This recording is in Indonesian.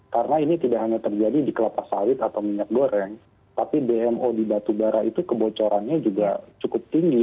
karena ini tidak hanya terjadi di kelapa sawit atau minyak goreng tapi dmo di batubara itu kebocorannya juga cukup tinggi